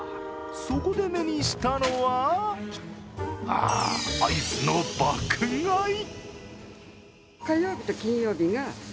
そこで目にしたのは、アイスの爆買い。